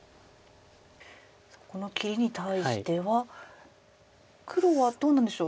この切りに対しては黒はどうなんでしょう？